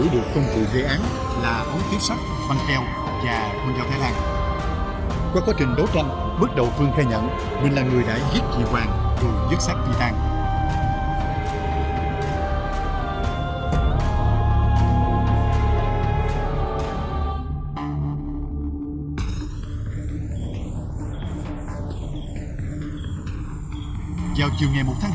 ban chuyên án đã nắm được thông tin khi đang làm việc vệ quân tây nhu